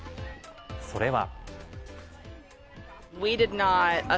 それは。